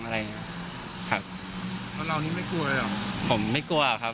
แล้วหรือนี้ไม่กลัวเหรอ